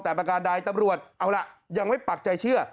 แต่ประการใดตำรวจเอาล่ะยังไม่ปักใจเชื่อ